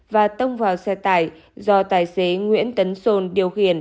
và tông vào xe tải do tài xế nguyễn tấn sôn điều khiển